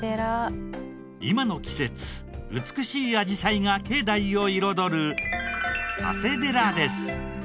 今の季節美しいあじさいが境内を彩る長谷寺です。